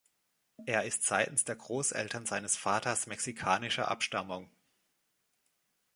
Er ist seitens der Großeltern seines Vaters mexikanischer Abstammung.